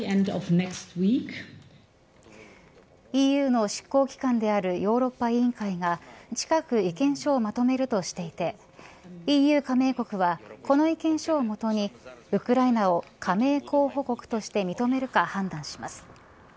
ＥＵの執行機関であるヨーロッパ委員会が近く意見書をまとめるとしていてＥＵ加盟国はこの意見書をもとにウクライナを加盟候補国として認めるか判断します。